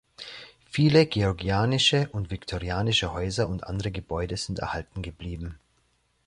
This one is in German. Viele georgianische und viktorianische Häuser und andere Gebäude sind erhalten geblieben.